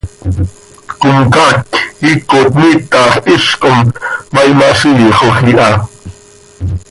Comcaac iicot miitax hizcom, ma imaziixoj iha.